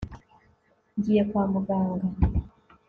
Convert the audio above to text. ngiye kwa muganga